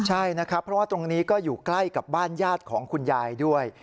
ใช่นะครับเพราะว่าตรงนี้ก็อยู่ใกล้กับบ้านญาติของคุณยายด้วย